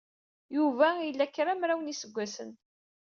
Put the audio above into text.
Yuba ila kramraw n yiseggasen.